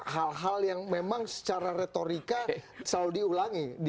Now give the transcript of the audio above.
hal hal yang memang secara retorika selalu diulangi